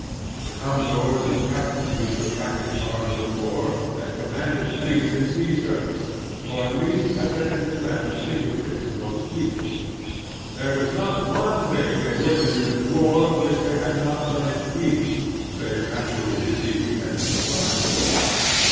The commodores and cap tains who took active part in the war had com manded fleets in sea service, or at the least had been in command of single ships in these fleets. Preparedness and Unpreparedness 175 There was not one thing they were to do in war which they had not done in peace, save actually receive the enemy's fire.